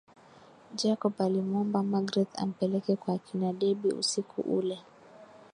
Jacob alimuomba magreth ampeleke kwa kina debby usiku ule